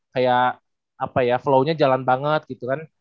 kayak apa ya flow nya jalan banget gitu kan